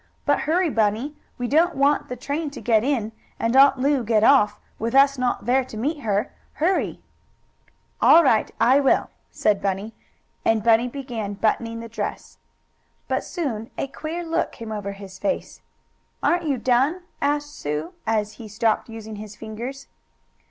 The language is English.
But hurry, Bunny. We don't want the train to get in, and Aunt Lu get off, with us not there to meet her. Hurry!" "All right I will," and Bunny began buttoning the dress. But soon a queer look came over his face. "Aren't you done?" asked Sue, as he stopped using his fingers.